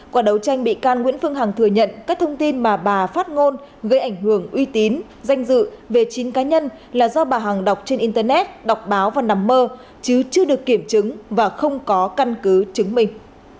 qua đấu tranh bị can nguyễn phương hằng thừa nhận các thông tin mà bà phát ngôn gây ảnh hưởng uy tín danh dự về chín cá nhân là do bà hằng đọc trên internet đọc báo và nằm mơ chứ chưa được kiểm chứng và không có căn cứ chứng minh